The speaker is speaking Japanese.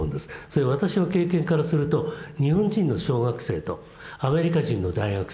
それ私の経験からすると日本人の小学生とアメリカ人の大学生教室がうるさい。